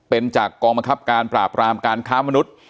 เป็นจากกองบังคับการปราบรามการค้ามนุษย์